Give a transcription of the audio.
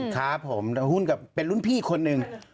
ครับผมแล้วหุ้นกับเป็นรุ่นพี่คนหนึ่ง